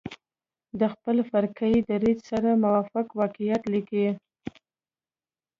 د خپل فرقه يي دریځ سره موافق واقعات لیکلي.